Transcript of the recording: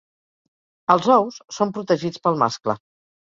Els ous són protegits pel mascle.